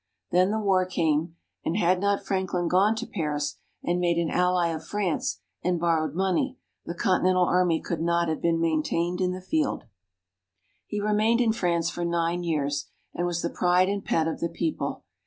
Then the war came, and had not Franklin gone to Paris and made an ally of France, and borrowed money, the Continental Army could not have been maintained in the field. He remained in France for nine years, and was the pride and pet of the people.